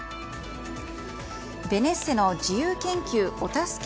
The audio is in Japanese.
ベネッセの自由研究お助け